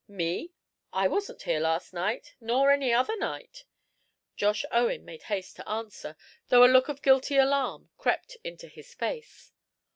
"Me? I wasn't here last night nor any other night," Josh Owen made haste to answer, though a look of guilty alarm crept into his face.